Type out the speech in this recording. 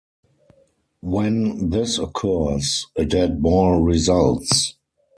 When this occurs, a dead ball results.